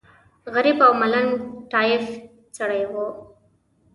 غریب او ملنګ ټایف سړی و.